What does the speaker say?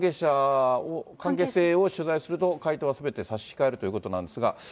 関係性を取材すると、回答はすべて差し控えるということなんですが。